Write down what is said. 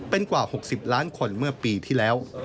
เป็นกว่า๖๐ล้านคนเมื่อปีที่แล้ว